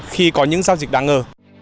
khi có những giao dịch đáng ngờ